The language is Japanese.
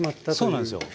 そうなんですよ。